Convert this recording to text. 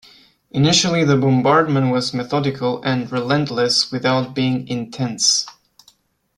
Initially the bombardment was methodical and relentless without being intense.